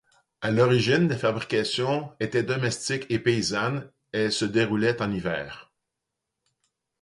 À l’origine, la fabrication était domestique et paysanne, elle se déroulaiten l’hiver.